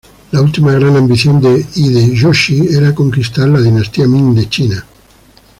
La última gran ambición de Hideyoshi era conquistar la Dinastía Ming de China.